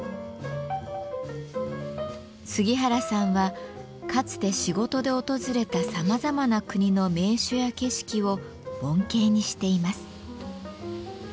杉原さんはかつて仕事で訪れたさまざまな国の名所や景色を盆景にしています。